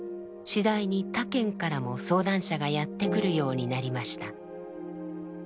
次第に他県からも相談者がやって来るようになりました。